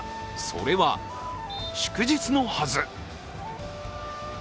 それは「祝日のはず」。